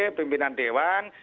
sehingga komunikasi yang selesai